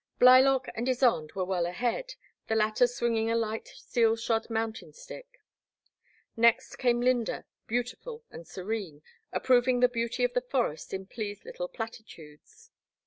Blylock and Ysonde were well ahead, the latter swinging a light steelshod mountain stick; next came Lynda, beautiful and serene, approving the beauty of the forest in pleased little platitudes.